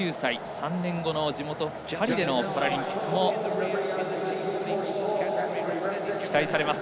３年後の地元パリでのパラリンピックも期待されます。